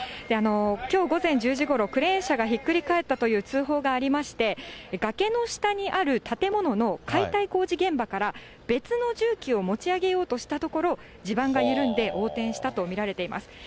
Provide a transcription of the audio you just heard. きょう午前１０時ごろ、クレーン車がひっくり返ったという通報がありまして、崖の下にある建物の解体工事現場から、別の重機を持ち上げようとしたところ、地盤が緩んで横転したと見られています。